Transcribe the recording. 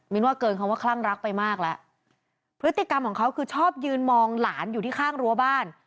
ว่าเกินคำว่าคลั่งรักไปมากแล้วพฤติกรรมของเขาคือชอบยืนมองหลานอยู่ที่ข้างรั้วบ้าน